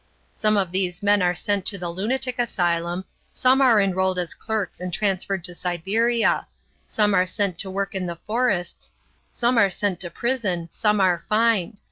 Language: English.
Some of these men are sent to the lunatic asylum, some are enrolled as clerks and transferred to Siberia, some are sent to work in the forests, some are sent to prison, some are fined.